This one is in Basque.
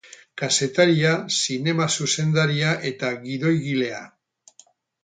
Kazetaria, zinema zuzendaria eta gidoigilea.